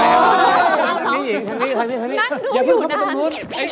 นั่งดูอยู่นะ